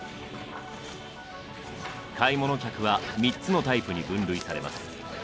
買い物客は３つのタイプに分類されます。